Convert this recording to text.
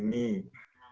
memang tidak semangat